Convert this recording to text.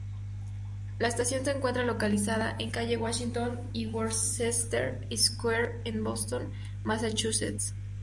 La estación se encuentra localizada en Calle Washington y Worcester Square en Boston, Massachusetts.